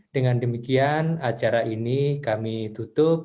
dengan demikian acara ini kami tutup